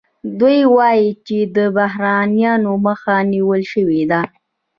دوی وايي چې د بحرانونو مخه نیول شوې ده